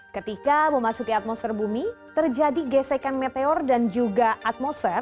ketika memasuki atmosfer bumi terjadi gesekan meteor dan juga atmosfer